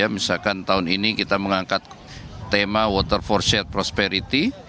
misalkan tahun ini kita mengangkat tema water for share prosperity